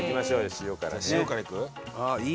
塩からいく？